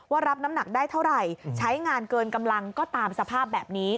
รับน้ำหนักได้เท่าไหร่ใช้งานเกินกำลังก็ตามสภาพแบบนี้